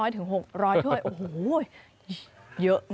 ๕๐๐๖๐๐ถ้วยโอ้โหเยอะนะคะ